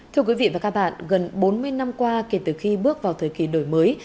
thưa quý vị và các bạn gần bốn mươi năm qua kể từ khi bước vào thời kỳ đổi mới